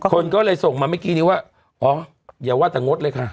คนก็เลยส่งมาเมื่อกี้นี้ว่าอ๋ออย่าว่าแต่งดเลยค่ะ